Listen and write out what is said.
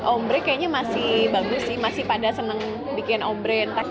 ombre kayaknya masih bagus sih masih pada seneng bikin ombrek